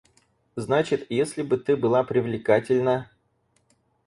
Значит, если бы ты была привлекательна...